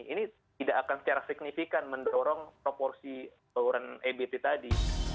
ini tidak akan secara signifikan mendorong proporsi bauran ebt tadi